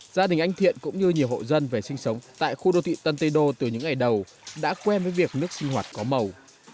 gia đình anh thiện cũng như nhiều hộ dân về sinh sống tại khu đô thị tân tây đô từ những ngày đầu đã quen với việc nước sinh hoạt có màu